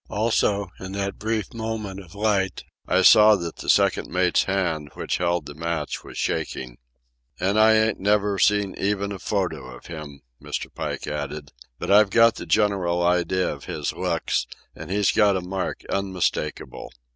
Also, in that brief moment of light, I saw that the second mate's hand which held the match was shaking. "And I ain't never seen even a photo of him," Mr. Pike added. "But I've got a general idea of his looks, and he's got a mark unmistakable.